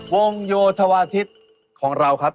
วงโยธวาทิศของเราครับ